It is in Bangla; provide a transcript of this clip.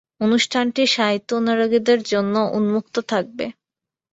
অনুষ্ঠানটি সাহিত্যানুরাগীদের জন্য উন্মুক্ত থাকবে।